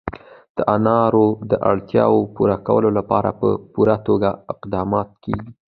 د انارو د اړتیاوو پوره کولو لپاره په پوره توګه اقدامات کېږي.